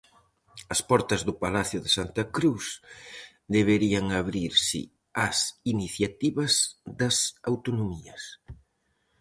As portas do Palacio de Santa Cruz deberían abrirse ás iniciativas das autonomías.